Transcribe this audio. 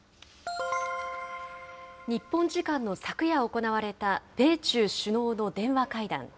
日本時間の昨夜行われた、米中首脳の電話会談。